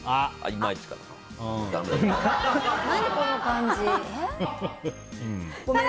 何この感じ。